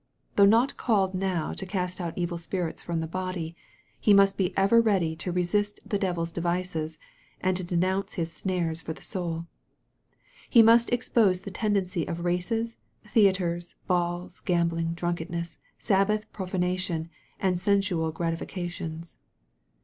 Though not called now to cast out evil spirits from the body, he must be ever ready to resist the devil's devices, and to denounce his snares for the soul. He must expose the tendency of races, theatres, balls, gambling, drunkenness, Sabbath profanation, and sensual gratifications.